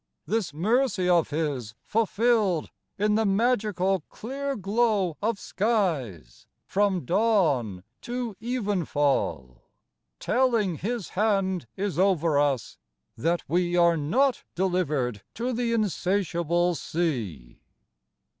This mercy of His fulfilled in the magical Clear glow of skies from dawn to evenfall, Telling His Hand is over us, that we Are not delivered to the insatiable sea.